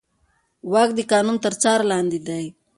واک د قانون تر څار لاندې دی.